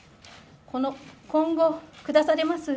今後、下されます